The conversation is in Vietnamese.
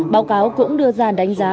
báo cáo cũng đưa ra đánh giá